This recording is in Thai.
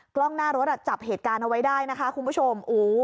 กล้องหน้ารถจับเหตุการณ์เอาไว้ได้นะคะคุณผู้ชม